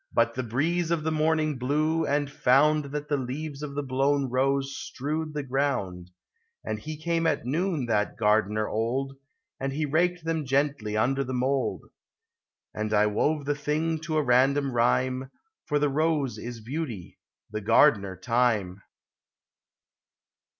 But the breeze of the morning blew, and found That the leaves of the blown Rose strewed the ground ; And he came at noon, that Gardener old, And he raked them gently under the mold. And I icove the thing to a random rhyme: For the Rose is Beauty ; the Gardener, Time.